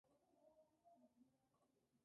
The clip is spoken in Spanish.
Libre, escalofriante y lúgubre.